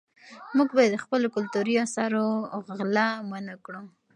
موږ باید د خپلو کلتوري اثارو غلا منعه کړو.